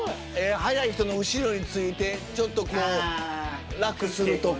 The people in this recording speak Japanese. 速い人の後ろについてちょっとこう楽するとか。